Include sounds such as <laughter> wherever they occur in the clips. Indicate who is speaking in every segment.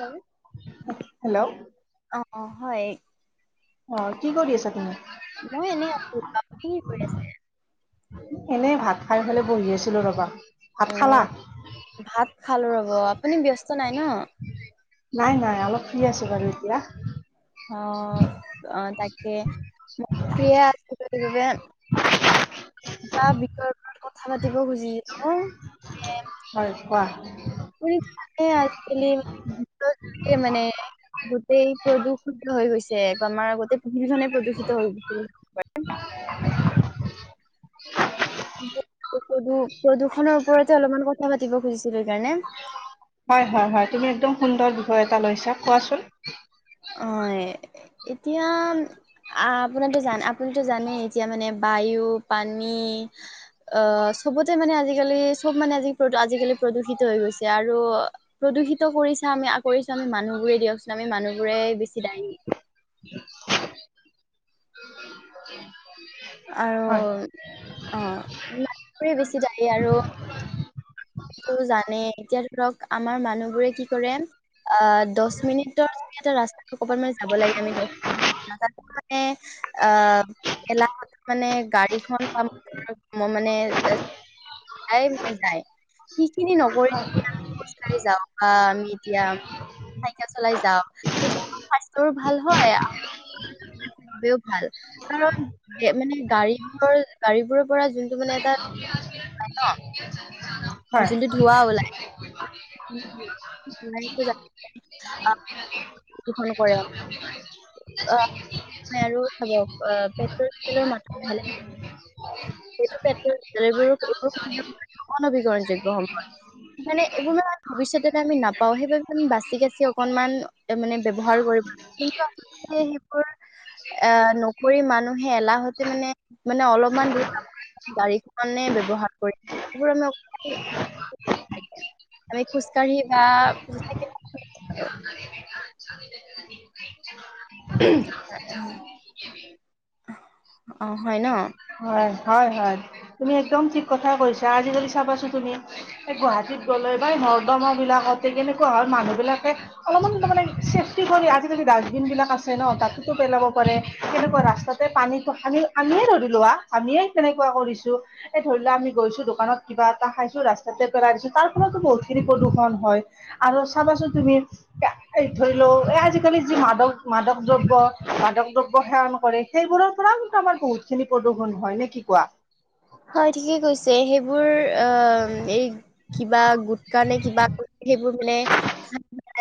Speaker 1: অ
Speaker 2: hello
Speaker 1: অ হয়
Speaker 2: অ কি কৰি আছা তুমি
Speaker 1: মই এনেই আছো আপুনি কি কৰি আছে
Speaker 2: এনেই ভাত খাই পেলাই বহি আছিলো ৰবা ভাত
Speaker 1: অ
Speaker 2: খালা
Speaker 1: ভাত খালো ৰ'ব আপুনি ব্যস্ত নাই ন
Speaker 2: নাই নাই অলপ শুই আছো বাৰু এতিয়া
Speaker 1: অ অ তাকে মই ফ্ৰি এ আছিলো সেইবাবে এ বিষয়ৰ ওপৰত কথা পাতিব খুজিছিলো যে
Speaker 2: ৱাহ
Speaker 1: উই আজিকালি মানে গোটেইখিনি মানে গোটেই প্ৰদূষিতো হৈ গৈছে আমাৰ আগতে পৃথিৱীখনে প্ৰদূষিত হৈ গৈছে বুলি ক
Speaker 2: <unintelligible>
Speaker 1: প্ৰদ প্ৰদূষনৰৰ ওপৰতে অলপমান কথা পাতিব খুজিছিলো সেইকাৰণে
Speaker 2: হয় হয় হয় তুমি একদম সুন্দৰ বিষয় এটা লৈছা কোৱাচোন
Speaker 1: হয় এতিয়া ম আ আপোনাটো জান আপুনিতো জানেই এতিয়া মানে বায়ু, পানী অ চবতে মানে আজিকালি চব মানে আজি আজিকালি প্ৰদূষিত হৈ গৈছে আৰু প্ৰদূষিত কৰি ছা আমি আ কৰিছো আমি মানুহবোৰে দিয়কচোন আমি মানুহবোৰে বেছি দায় আৰু
Speaker 2: হয়
Speaker 1: অ মানুহে বেছি দায়ী আৰু টো জানে এতিয়া ধৰক আমাৰ মানুহবোৰে কি কৰে আহ দছ মিনিটৰ যদি এটা ৰাস্তাত কবাত মান যাব লাগে আমি দছ মিনিট ৰাস্তাটো মানে আহ এলাহত মানে গাড়ীখন বা ম মানে <unintelligible> যায় সিখিনি নকৰি আমি খোজ কাঢ়ি যাওঁ বা আমি এতিয়া। চাইকেল চলাই যাও। তেতিয়া স্বাস্থ্যৰো ভাল হয় আৰু তেওঁ ভাল কাৰণ মানে গাড়ীবোৰৰ গাড়ীবোৰৰ পৰা যোনটো মানে এটা ন
Speaker 2: হয়।
Speaker 1: যোনটো ধুৱা ওলাই <unintelligible> কৰে
Speaker 2: <unintelligible>
Speaker 1: অ আৰু চাব আহ পেট্ৰল ডিজেলৰ মাত্ৰ লাহে লাহে কমি আহিছে সেইটো পেট্ৰল ডিজেল এইবোৰ এইবোৰ অনবীকৰণ যোগ্য হব মানে এইবোৰ ভৱিষ্যত আমি নাপাও সেইবাবে আমি বাচি কাচি অকনমান মানে ব্যৱহাৰ কৰি সেইবোৰ নকৰি মানুহে এলাহতে মানে অলপমান দূৰ গাড়ীখনে ব্যৱহাৰ কৰি বোৰ আমি আমি খোজ কাঢ়ি বা চাইকেলখন লৈ যাব পাৰো। অ হয় ন।
Speaker 2: হয় হয় হয় তুমি একদম ঠিক কথাই কৈছা আজিকালি চাবাছো তুমি এই গুৱাহাটীত গলে বা নৰ্দমা বিলাকতে কেনেকুৱা হ মানুহ বিলাকে অলপমান তাৰমানে চেফটি কৰি আজিকালি ডাষ্টবিনবিলাক আছে ন তাতোতো পেলাব পাৰে তেনেকুৱা ৰাস্তাতে পানীটো আমি আমিয়ে ধৰি লোৱা আমিয়ে তেনেকুৱা কৰিছো এই ধৰি লোৱা আমি গৈছো দোকানত কিবা এটা খাইছো ৰাস্তাতে পেলাই দিছো তাৰ পৰা বহুতখিনি প্ৰদূষণ হয় আৰু চাবাচোন তুমি ধৰি লও এ আজিকালি যি মাদক মাদক দ্ৰব্য মাদক দ্ৰব্য সেৱন কৰে সেইবোৰৰ পৰাও কিন্তু আমাৰ বহুতখিনি প্ৰদু প্ৰদূষণ হয় নে কি কোৱা?
Speaker 1: হয় ঠিকেই কৈছে সেইবোৰ অ এই কিবা গোটকা নে কিবা কৰি সেইবোৰ মানে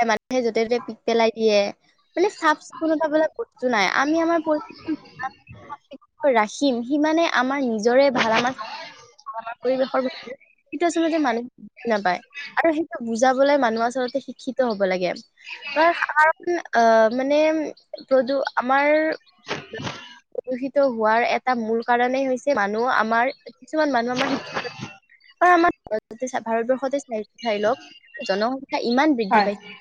Speaker 1: মান সে যতে ত'তে পিক পেলাই দিয়ে মানে চাফ চিকুণত পাবলে বস্তু নাই। আমি আমাৰ পৰিবেশ যিমানে চাফ চিকুন কৈ ৰাখিম সিমানে আমাৰ নিজৰে ভাল আমাৰ আমাৰ পৰিৱেশৰ সেইটো আচলতে মানুহে বুজি নাপায় আৰু সেইটো বুজাবলৈ মানুহ আচলতে শিক্ষিত হব লাগে। ত সাধাৰণ অ মানে প্ৰদু আমাৰ প্ৰদুষিত হোৱাৰ এটা মূল কাৰনে হৈছে মানুহ আমাৰ কিছুমান মানুহ আমাৰ শিক্ষিত আৰু আমাৰ ভাৰতবৰ্ষতে চাই ঠাই লওক জনসংখ্যা ইমান বৃদ্ধি
Speaker 2: হয়
Speaker 1: পাইছে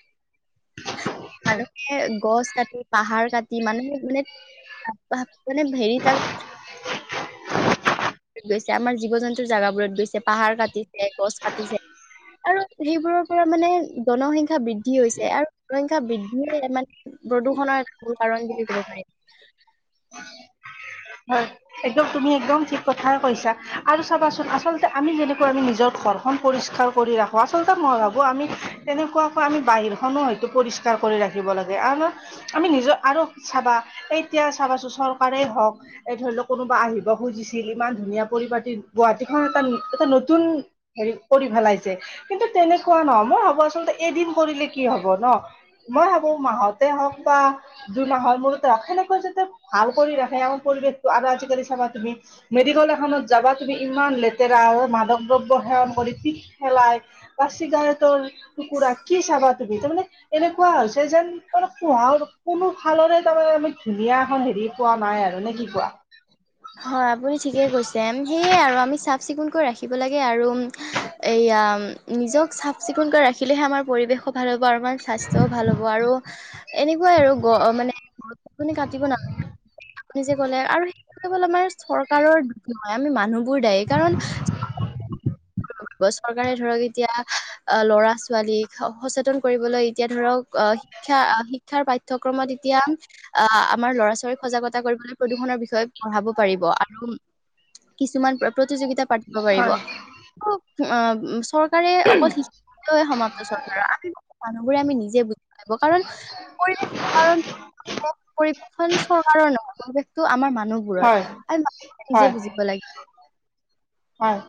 Speaker 2: হয়
Speaker 1: মানুহে গছ কাটি পাহাৰ কাটি মানুহে মানে মানে হেৰি জাগা গৈছে আমাৰ জীৱ জন্তুৰ জোগাবোৰত গৈছে। পাহাৰ কাটিছে, গছ কাটিছে। আৰু সেইবোৰৰ পৰা মানে জনসংখ্যা বৃদ্ধি হৈছে আৰু জনসংখ্যা বৃদ্ধি স মানে প্ৰদূৰ্ষণৰ এটা মুল কাৰণ বুলি কব পাৰি।
Speaker 2: হয় এক্দম তুমি একদম ঠিক কথা কৈছা আৰু চাবাচোন আচলতে আমি যেনেকুৱা আমি নিজৰ ঘৰখন পৰিষ্কাৰ কৰি ৰাখোঁ আচলতে মই ভাবোঁ আমি তেনেকুৱাকৈ আমি বাহিৰখনো হয়তো পৰিষ্কাৰো কৰি ৰাখিব লাগে আৰু আমি নিজৰ আৰু চাবা এতিয়া চাবাচোঁ চৰকাৰেই হওক এ ধৰি লওক কোনোবা আহিব খুজিছিল ইমান ধুনীয়া পৰিপাটি গুৱাহাটীখন এটা এটা নতুন হেৰি কৰি পেলাইছে কিন্তু তেনেকুৱা নহ মই ভাবো আচলতে এদিন কৰিলে কি হব ন! মই ভাবো মাহতে হওক বা যোন মাহৰ মূৰতে হওক সেনেকৈ যাতে ভাল কৰি ৰাখে আৰু পৰিৱেশটো আৰু আজিকালি চাবা তুমি মেডিকেল এখনত যাবা তুমি ইমান লেতেৰা মাদক দ্ৰব্য ধণ কৰি পিত পেলাই বা চিগাৰেতৰ টুকুৰা কি চাবা তুমি তাৰমানে এনেকুৱা হৈছে যেন ম কহা কোনো ফালৰে তাৰমানে আমি ধুনীয়া এখন হেৰি পোৱা নাই আৰু ন কি কোৱা
Speaker 1: হয় আপুনি ঠিকে কৈছে সেইয়ে আৰু আমি চাফ চিকুণকৈ ৰাখিব লাগে আৰু এইয়া নিজক চাফ চিকুণকৈ ৰাখিলেহে আমাৰ পৰিৱেশো ভাল বাৰমান স্বাস্থ্যও ভাল হ'ব আৰু এনেকুৱাই আৰু গ মানে আপুনি কাটিব নালে আপুনি যে কলে আৰু ল আমাৰ চৰকাৰৰ দিশ নহয় আমি মানুহবোৰ দায়ী কাৰণ চৰকাৰে ধৰক এতিয়া ল'ৰা ছোৱালীক সচেতন কৰিবলৈ এতিয়া ধৰক অ শিক্ষা শিক্ষাৰ পাঠ্যক্ৰমত এতিয়া আহ আমাৰ ল'ৰা ছোৱালীক সজাগতা কৰিবলৈ প্ৰদূষণৰ বিষয়ে পঢ়াব কিছুমান প্ৰতিযোগিতা পাতিব পাৰিব
Speaker 2: হয়।
Speaker 1: উম চৰকাৰে অকল শিক্ষ সমাপ্ত চৰকাৰ আমি বহু মানুহবোৰে আমি নিজে বুজ কাৰণ পৰিৱেশটো কাৰণ খন চৰকাৰৰ নহয় পৰিৱেশটো আমাৰ মানুহবোৰৰ
Speaker 2: হয়
Speaker 1: আমি মানুহ নিজে
Speaker 2: হয়।
Speaker 1: বুজিব লাগে
Speaker 2: হয়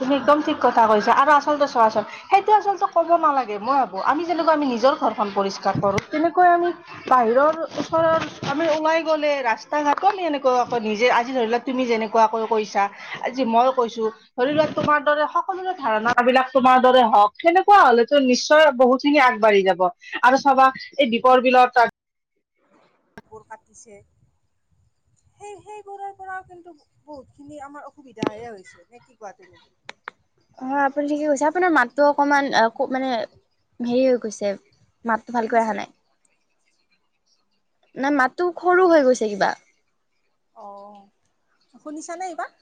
Speaker 2: তুমি একদম ঠিক ক কৈছা আৰু আচলতে চোৱাচোন সেইটো আচলতে ক'ব নালাগে মই ভাবোঁ আমি যেনেকুৱা আমি নিজৰ ঘৰখন পৰিষ্কাৰ ঘৰত কেনেকৈ আমি বাহিৰৰ ওচৰত আমি ওলাই গ'লে ৰাস্তা ঘাটএনেকৈ নিজে আজি ধৰি লওক তুমি যেনেকুৱাকৈ কৈছা আজি মই কৈছো ধৰি লক তোমাৰ দৰে সকলোৰে ধাৰণা বিলাক তোমাৰ দৰে হওক সেনেকুৱা হলেতো নিশ্চয় বহুত খিনি আগবাঢ়ি যাব আৰু চবা এই দিপৰ বিলত বোৰ পাতিছে সেই সেইবোৰৰ পৰাও কিন্তু বহুত খিনি আমাৰ অসুবিধাহে হৈছে নে কি কোৱা তুমি
Speaker 1: অ আপুনি ঠিকে কৈছে আপোনাৰ মাত অকমান ক মানে হেৰি হৈ গৈছে মাতটো ভালকৈ অহা
Speaker 2: শুনিছানে
Speaker 1: নাই নাই মাতটো সৰু হৈ গৈছে কিবা।
Speaker 2: অ শুনিছানে এইবাৰ।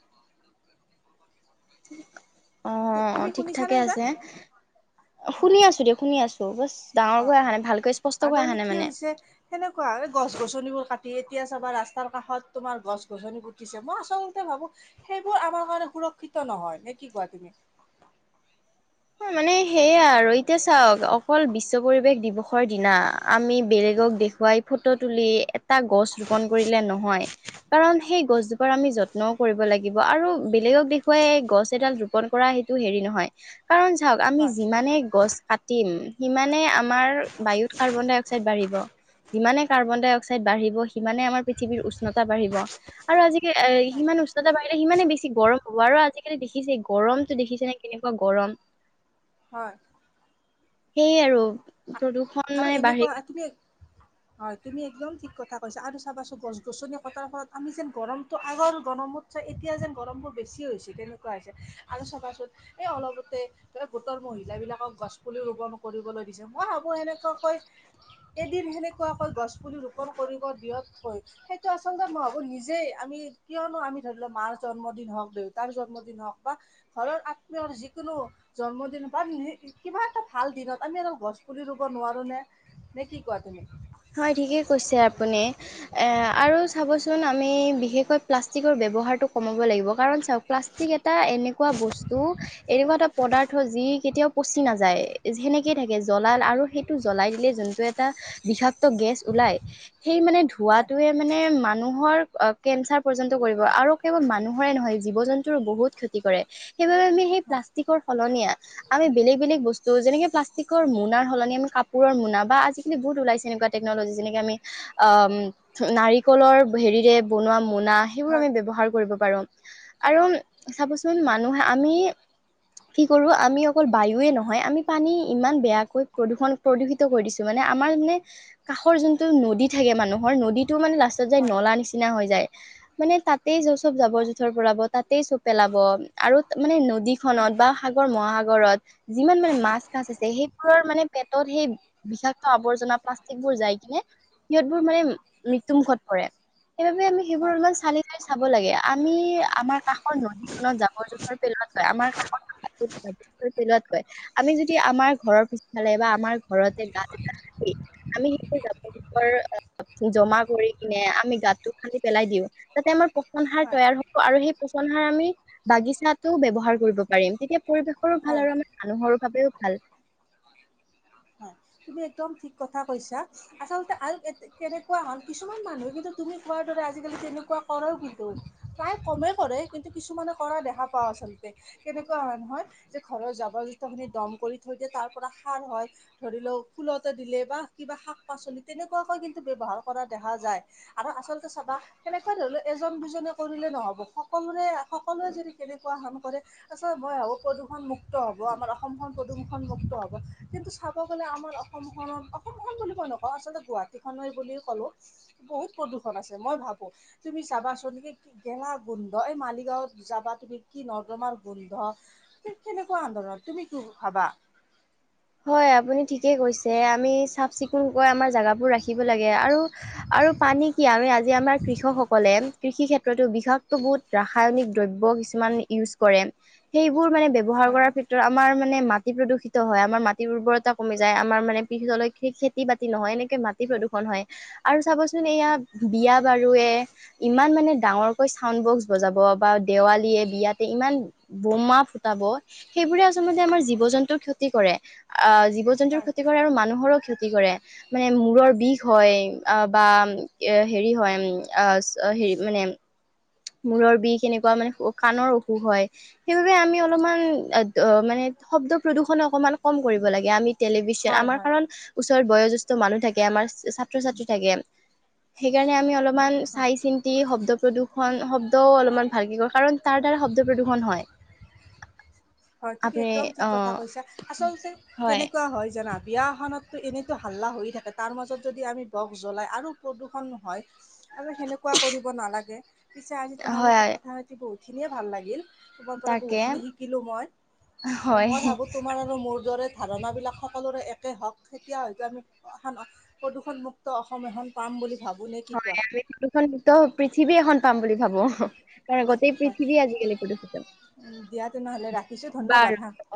Speaker 1: <unintelligible> অ
Speaker 2: তুমি
Speaker 1: ঠিক ঠাকে
Speaker 2: শুনিছানে এইবাৰ?
Speaker 1: আছে। শুনি
Speaker 2: হয়,
Speaker 1: আছো দিয়ক শুনি আছো বচ
Speaker 2: অ অ আৰু তাৰমানে কি হৈছে সেনেকুৱা এই গছ গছনিবোৰ কাটি এতিয়া ৰাস্তাৰ কাষত তোমাৰ গছ গছনি পোতিছে মই আচলতে ভাবো সেইবোৰ আমাৰ কাৰণে সুৰক্ষিত নহয় নে কি কোৱা তুমি?
Speaker 1: <unintelligible> মানে সেইয়া আৰু এতিয়া চাওঁক অকল বিশ্ব পৰিৱেশ দিৱসৰ দিনা আমি বেলেগ গক দেখুৱাই ফটো তুলি এটা গছ ৰোপন কৰিলে নহয়। কাৰণ সেই গছজোপাৰ আমি যত্নও কৰিব লাগিব আৰু বেলেগক দেখুৱাই গছ এডাল ৰোপন কৰা সেইটো হেৰি নহয় কাৰণ চাওঁক আমি
Speaker 2: হয়,
Speaker 1: যিমানে গছ কাটিম সিমানে আমাৰ বায়ুত কাৰ্বন ডাই অক্সাইড বাঢ়িব। যিমানে কাৰ্বন ডাই অক্সাইড বাঢ়িব সিমানে আমাৰ পৃথিৱীৰ উষ্ণতা বাঢ়িব আৰু আজিকালি এ সিমান উষনতা বাৰিলে সিমানে বেছি গৰম হ'ব আৰু আজিকালি দেখিছে গৰমতটো দেখিছে নে কেনেকুৱা গৰম।
Speaker 2: হয়।
Speaker 1: সেয়ে আৰু প্ৰদূৰ্ষণ
Speaker 2: আৰু
Speaker 1: মানে বাঢ়ি গ
Speaker 2: এনেকুৱা তুমি হয় তুমি একদম ঠিক কথা কৈছা আৰু চাবাচোন গছ গছনি কটাৰ ফলত আমি যেন গৰমটো আগৰ গৰমত চাই এতিয়া যেন গৰম বোৰ বেছি হৈছে তেনেকুৱা হৈছে আৰু চাবা চোন এই অলপতে ধৰা গোটৰ মহিলা এইবিলাকক গছপুলি ৰোপণ কৰিবলৈ দিছে মই ভাবোঁ এনেকুৱাকৈ এদিন সেনেকুৱা কৈ গছ পুলি ৰোপন কৰিব বিয়ত থৈ সেইটো আচলতে মইবভাবো নিজেই আমি কিয়নো আমি ধৰি লোৱা মাৰ জন্মদিন হওঁক দেউতাৰ জন্মদিন হওঁক বা ঘৰৰ আত্মীয়ৰ যি কোনো জন্মদিন পাম ন কিবা এটা ভাল দিনত আমি আৰু গছ পুলি থাকিব নোৱাৰোঁ নে নে কি কোৱা তুমি?
Speaker 1: হয় ঠিকে কৈছে আপুনি আৰু চাবচোন আমি বিশেষকৈ প্লাষ্টিক ব্যৱহাৰ তো কমাব লাগিব। কাৰণ, প্লাষ্টিক এটা এনেকুৱা বস্তু এনেকুৱা এটা পদাৰ্থ যি কেতিয়াও পচি নাযায় সেনেকে থাকে জ্বলাল আৰু সেইটো জ্বলাই দিলে যোনটো এটা বিষাক্ত গেছ ওলাই সেই মানে
Speaker 2: হয়
Speaker 1: ধোৱাটোৱে মানে মানুহৰ কেঞ্চাৰ পৰ্যন্ত কৰিব আৰু কেৱল মানুহৰে নহয় জীৱ জন্তুৰো বহুত ক্ষতি কৰে। সেইবাবে আমি সেই
Speaker 2: হয়
Speaker 1: প্লাষ্টিকৰ সলনীয়া আমি বেলেগ বেলেগ বস্তু ত' যেনেকে প্লাষ্টিক মোনাৰ সলনি আমি কাপোৰৰ মোনা বা আজিকালি বহুত ওলাইছে। সেনেকুৱা তেকনলজি যেনেকে আমি আ নাৰিকলৰ হেৰিৰে বনোৱা মোনা সেইবোৰ
Speaker 2: হয়
Speaker 1: আমি ব্যৱহাৰ কৰিব পাৰোঁ। আৰু চাবচোন
Speaker 2: হয়
Speaker 1: মানুহে আমি <inaudible> কি কৰোঁ আমি অকল বায়ুৱে নহয়, আমি পানী ইমান বেয়াকৈ প্ৰদূষণ প্ৰদূষিত কৰি দিছোঁ। মানে আমাৰ মানে কাষৰ যোনটো নদী থাকে মানুহৰ নদীতটো মানে লাষ্টত যায়
Speaker 2: হয়
Speaker 1: নলা নিচিনা হৈ যায়। মানে তাতেই য চব
Speaker 2: হয়
Speaker 1: যাব-জোথৰ পৰাব তাতেই চব পেলাব আৰু মানে নদী খনত বা সাগৰ বা মহাসাগৰ ঘৰত যিমান মানে মাছ চাছ আছে সেইবোৰৰ মানে পেটত সেই বিষাক্ত আৱৰ্জনা পল এইবোৰ যাই কিনে সিহঁত বোৰ মানে মৃত্যুমুখত পৰে। সেইবাবে আমি সেইবোৰ
Speaker 2: হয়
Speaker 1: অলমান চালি জাৰি চাব লাগে। আমি আমাৰ কাষৰ নদীখনত জাঁবৰ- জো‍ঁথৰ পেলোৱাতকৈ আমাৰ কাষৰ বিলত কয় আমি যদি আমাৰ ঘৰৰ পিছ ফালে বা আমাৰ ঘৰতে গাত এটা খান্দি আমি সেইটো জাৱঁৰ -জোঁথৰ জমা কৰি কিনে আমি গাতটো খান্দি পেলাই দিওঁ তাতে আমাৰ পচন সাৰ
Speaker 2: হয়
Speaker 1: তৈয়াৰ হ'ব আৰু সেই পচন সাৰ আমি বাগিচাতো ব্যৱহাৰ কৰিব পাৰিম তেতিয়া পৰিৱেশৰো ভাল
Speaker 2: হয়
Speaker 1: আৰু আমাৰ মানুহৰ বাবেও ভাল।
Speaker 2: হয় তুমি একদম ঠিক কথা কৈছা আচলতে আৰু কেনেকুৱা হ'ল কিছুমান মানুহে কিন্তু তুমি কোৱাৰ দৰে আজিকালি তেনেকুৱা কৰেও কিন্তু প্ৰায় কমেই কৰে কিন্তু কিছুমানে কৰা দেখা পাওঁ। আচলতে কেনেকুৱা নহয় যে ঘৰৰ জাবৰ- জোথৰ খিনি দম কৰি থৈ দিয়ে তাৰ পৰা সাৰ হয়। ধৰি লওঁক ফুলতে দিলে বা কিবা শাক-পাচলি তেনেকুৱাকৈ কিন্তু ব্যৱহাৰ কৰা দেখা যায়। আৰু আচলতে চাবা কেনেকুৱা ধৰিলেও এজন-দুজনে কৰিলে নহ'ব। সকলোৰে সকলোৱে যদি কেনেকুৱা কাম কৰে তাৰপিছত মই ভাবোঁ প্ৰদূষণম মুক্ত হ'ব আমাৰ অসমখন। প্ৰদুমুখন মুক্ত হ'ব। কিন্তু, ক'ব' গলে আমাৰ অসমখনত অসমখন বুলি কই নকওঁ আচলতে গুৱাহাটী খনেই বুলি কলোঁ বহুত প্ৰদূষণ সুখত আছে মই ভাবো, তুমি চাবাচোন সেই গেলা গোন্ধ এই মালিগাঁৱত যাবা তুমি কি নৰ্দমাৰ গোন্ধ, কে কেনেকুৱা আন্দোলন। তুমি কি ভাবা?
Speaker 1: হয়, আপুনি ঠিকে কৈছে, আমি চাফ চিকুণকৈ আমাৰ জাগাবোৰ ৰাখিব লাগে আৰু আৰু পানী কি আমি আজি আমাৰ কৃষকসকলে, কৃষি ক্ষে প্ৰদু বিষাক্ত বহুত ৰাায়নিক দ্ৰব্য কিছুমান ইয়ুজ কৰে, সেই বোৰ মানে ব্যৱহাৰ
Speaker 2: হয়
Speaker 1: কৰাৰ ক্ষেত্ৰত আমাৰ মানে মাটি প্ৰদূষিত হয় আমাৰ মা মাটিৰ উৰ্বৰতা কমি যায় আমাৰ মানে <unintelligible> খেতি বাতি নহয় এনেকে মাটি প্ৰদূষণ হয় আৰু চাবচোন এয়া
Speaker 2: হয়
Speaker 1: বিয়া বাৰুয়ে, ইমান মানে ডাঙৰকৈ চাউড বক্স বজাব বা দেৱালী তে বিয়াতে ইমান বোমা ফুটাব সেইবোৰে আচলতে আমাৰ জীৱ-জন্তুৰ ক্ষতি কৰে। আহ জীৱ-জন্তুৰ
Speaker 2: হয়
Speaker 1: ক্ষতি কৰে আৰু মানুহৰো ক্ষতি কৰে, মানে মূৰৰ বিষ হয় আহ বা হেৰি হয়, উম আহ হেৰি মানে মূৰৰ বিষ কেনেকুৱা মানে কাণৰ অসুখ হয়, সেইবাবে আমি অলপমান মানে শব্দ-প্ৰদূষণ অকমান কম কৰিব লাগে আমি টেলিভিশন
Speaker 2: হয়
Speaker 1: আমাৰ
Speaker 2: হয়
Speaker 1: কাৰণ <unintelligible> বয়োজ্যেষ্ঠ মানুহ থাকে আমাৰ ছাত্ৰ-ছাত্ৰী থাকে। সেইকাৰণে আমি অলপমান
Speaker 2: হয়।
Speaker 1: চাই চিন্তি শব্দ প্ৰদূষণ হল শব্দও অলপমান ভালকে কৰো কাৰণ তাৰ দ্বাৰা শব্দ প্ৰদূষণ হয়।
Speaker 2: হয় তুমি
Speaker 1: আপুনি
Speaker 2: একদম ঠিক
Speaker 1: অ
Speaker 2: কথা কৈছা, আচলতে কেনেকুৱা হয় জানা? বিয়া এখনতটো এনেইতো হাল্লা হৈয়ে থাকে তাৰ মাজত যদি আমি বক্স জলাই আৰু প্ৰদূষণ হয় আৰু সেনেকুৱা কৰিব নালাগে। পিছো আজি তোমাৰ লগত
Speaker 1: হয়
Speaker 2: কথা পাতি বহুতখিনিয়ে ভাল লাগিল, তোমাৰ পৰা
Speaker 1: তাকে
Speaker 2: বহুতখিনি শিকিলোঁ মই। আৰু
Speaker 1: হয়
Speaker 2: মই ভাবো তোমাৰ আৰু মোৰ দৰে ধাৰণাবিলাক সকলোৰে একেই হওক তেতিয়া হয়তো আমি প্ৰদূষণমুক্ত অসম <unintelligible> পাম বুলি। ভাবোঁ নে কি কোৱা
Speaker 1: হয় আমি প্ৰদূষণ মুক্ত পৃথিৱী এখন পাম বুলি ভাবো। কাৰণ গোটেই
Speaker 2: হয়
Speaker 1: পৃথিৱী আজিকালি প্ৰদূষিত।
Speaker 2: দিয়া তেনেহ'লে ৰাখিছোঁ ধন্যবাদ হা।
Speaker 1: বাৰু